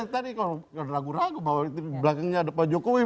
tadi kalau ragu ragu bahwa belakangnya ada pak jokowi